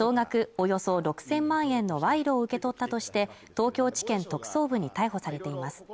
およそ６０００万円の賄賂を受け取ったとして東京地検特捜部に逮捕されています